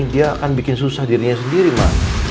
dia akan bikin susah dirinya sendiri mbak